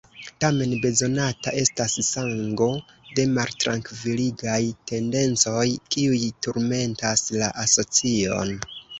Tamen bezonata estas ŝango de maltrankviligaj tendencoj kiuj turmentas la asocion.